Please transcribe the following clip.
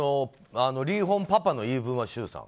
リーホンパパの言い分は、周さん。